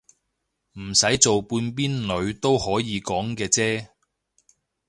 唔使做半邊女都可以講嘅啫